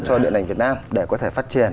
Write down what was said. cho điện ảnh việt nam để có thể phát triển